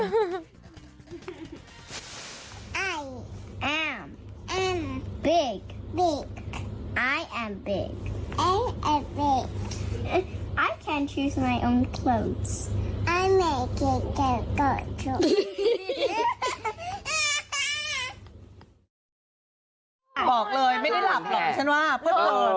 กรี๊มบอกเลยไม่ได้หลับหรอกครับชั้นว่าเพิ่งเพิ่งเล่าไปหัวเราไปไม่ต้องนอนกันแม่คืนนี้